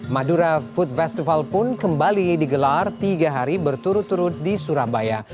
madura food festival pun kembali digelar tiga hari berturut turut di surabaya